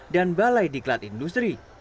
dan balai diklat industri